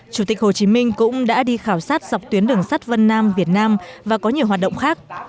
chủ tịch hồ chí minh cũng đã đi khảo sát dọc tuyến đường sắt vân nam việt nam và có nhiều hoạt động khác